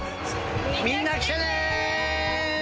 みんな来てね。